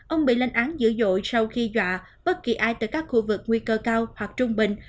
ông bị lên án dữ dội sau khi dọa bất kỳ ai tới các khu vực nguy cơ cao hoặc trung bình